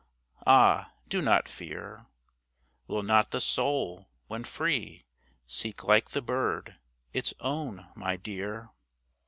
Ah, do not fear. Will not the soul, when free, seek like the bird Its own, my dear?